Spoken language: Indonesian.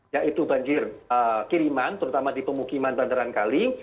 yaitu banjir kiriman terutama di pemukiman bandaran kali